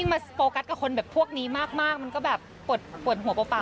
มาโฟกัสกับคนแบบพวกนี้มากมันก็แบบปวดหัวเปล่า